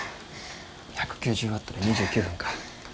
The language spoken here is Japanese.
１９０ワットで２９分か。